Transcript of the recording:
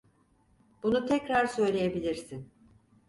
Bunu tekrar söyleyebilirsin.